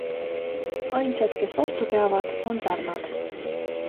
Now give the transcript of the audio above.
Ainsad, kes vastu peavad, on pärnad.